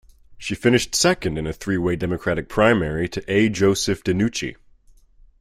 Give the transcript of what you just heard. She finished second in a three way Democratic primary to A. Joseph DeNucci.